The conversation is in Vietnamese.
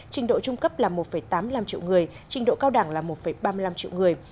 trình độ trung cấp là một tám mươi năm triệu người trình độ cao đẳng là một ba mươi năm triệu người